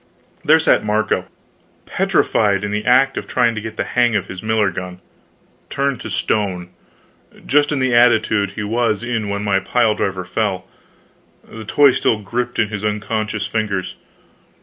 There sat Marco, petrified in the act of trying to get the hang of his miller gun turned to stone, just in the attitude he was in when my pile driver fell, the toy still gripped in his unconscious fingers.